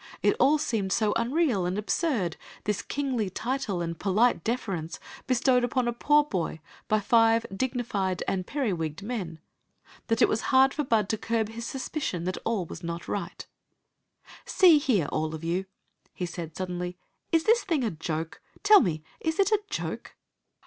It all seemed so unreal and absurd — this kingly title and polite deference bestowed upon a poor boy by five dignified and periwigged men — that it was hard for Bud to curb his suspicion that all was not right " See here, all of you," said he, suddenly, " is this thing a joke? tell me, is it a joke?"